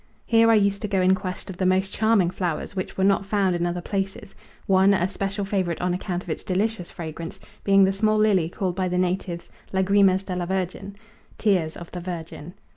Here I used to go in quest of the most charming flowers which were not found in other places; one, a special favourite on account of its delicious fragrance, being the small lily called by the natives Lagrimas de la Virgin Tears of the Virgin.